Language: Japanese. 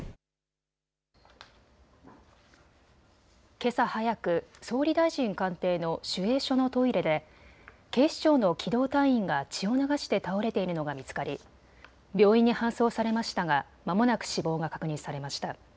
けさ早く総理大臣官邸の守衛所のトイレで警視庁の機動隊員が血を流して倒れているのが見つかり病院に搬送されましたがまもなく死亡が確認されました。